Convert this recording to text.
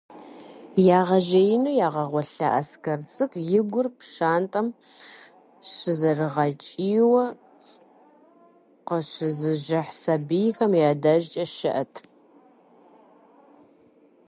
Ягъэжеину ягъэгъуэлъа Аскэр цӏыкӏу и гур пщантӏэм щызэрыгъэкӏийуэ къыщызыжыхь сэбийхэм я дежкӏэ щыӏэт.